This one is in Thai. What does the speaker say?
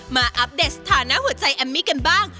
อัปเดตสถานะหัวใจแอมมี่กันบ้าง